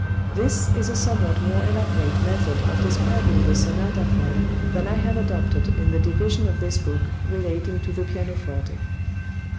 This is a somewhat more elaborate method of describing the sonata form than I have adopted in the division of this book relating to the pianoforte.